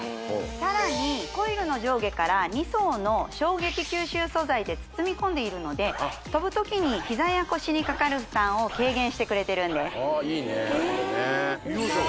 さらにコイルの上下から２層の衝撃吸収素材で包み込んでいるので跳ぶ時にひざや腰にかかる負担を軽減してくれてるんですいいねえそれねよいしょ